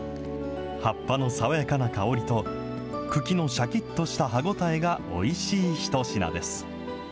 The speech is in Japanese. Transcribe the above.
葉っぱの爽やかな香りと茎のしゃきっとした歯応えがおいしい一品です。